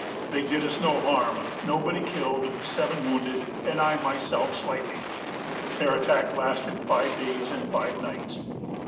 They did us no harm: nobody killed; seven wounded, and I myself slightly. Their attack lasted five days and five nights.